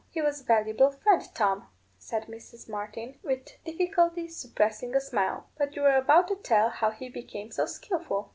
"He was a valuable friend, Tom," said Mrs. Martin, with difficulty suppressing a smile. "But you were about to tell how he became so skilful."